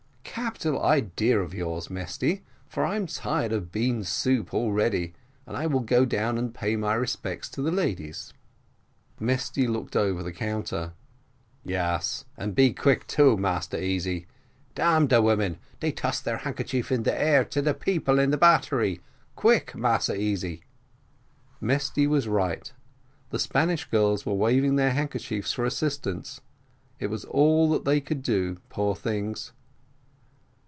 "Capital idea of yours, Mesty, for I'm tired of bean soup already, and I will go down and pay my respects to the ladies." Mesty looked over the counter. "Yes, and be quick too, Massa Easy; damn the women, they toss their handkerchief in the air to people in the battery quick, Massa Easy." Mesty was right the Spanish girls were waving their handkerchiefs for assistance; it was all that they could do, poor things.